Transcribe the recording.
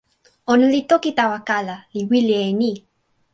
ona li toki tawa kala, li wile e ni: